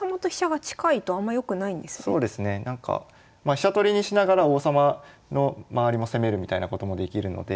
飛車取りにしながら王様の周りも攻めるみたいなこともできるので。